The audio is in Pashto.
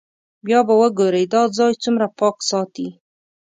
بیا به وګورئ دا ځای څومره پاک ساتي.